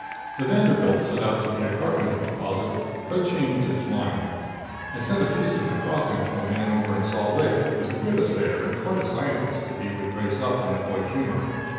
The Vanderbilt set out to be a carbonate deposit, but changed its mind. I sent a piece of the cropping to a man over in Salt Lake, who is a good assayer and quite a scientist, if he would brace up and avoid humor.